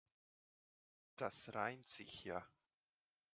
Das reimt sich ja.